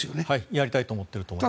やりたいと思っていると思います。